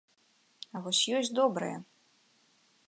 А вось ёсць добрае!